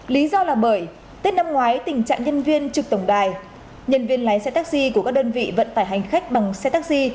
lý do là bởi tết năm ngoái tình trạng nhân viên trực tổng đài nhân viên lái xe taxi của các đơn vị vận tải hành khách bằng xe taxi